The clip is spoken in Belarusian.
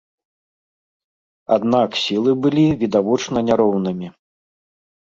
Аднак сілы былі відавочна няроўнымі.